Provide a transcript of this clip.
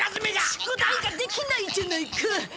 宿題ができないじゃないか！